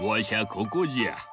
ここじゃ。